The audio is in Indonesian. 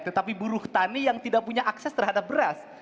tetapi buruh tani yang tidak punya akses terhadap beras